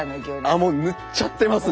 あっもう塗っちゃってますね。